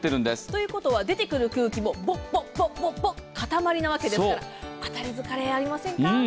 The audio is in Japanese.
ということは出てくる空気も、ポッポッポッ、固まりなわけですから、当たり疲れありませんか？